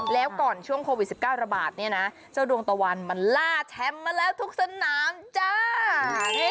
แล้วก่อนช่วงโควิด๑๙ระบาดเนี่ยนะเจ้าดวงตะวันมันล่าแชมป์มาแล้วทุกสนามจ้า